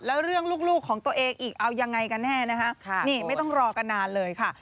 แล้วเรื่องลูกของตัวเองอีกเอายังไงกันแน่นะคะนี่ไม่ต้องรอกันนานเลยค่ะ